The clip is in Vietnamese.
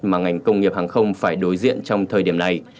mà ngành công nghiệp hàng không phải đối diện trong thời điểm này